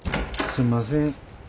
すんません。